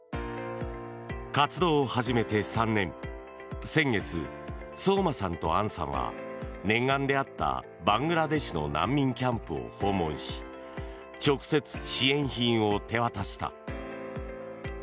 活動を始めて３年先月、聡真さんと杏さんは念願であった、バングラデシュの難民キャンプを訪問し直接、支援品を手渡した。